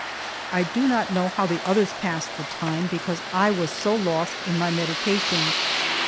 I do not know how the others passed the time, because I was so lost in my meditations.